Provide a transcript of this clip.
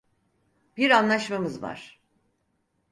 Bir anlaşmamız var.